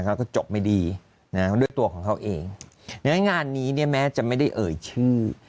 เขาก็จบไม่ดีนะด้วยตัวของเขาเองดังนั้นงานนี้เนี่ยแม้จะไม่ได้เอ่ยชื่อ